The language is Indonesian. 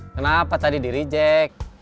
kenapa tadi dirijek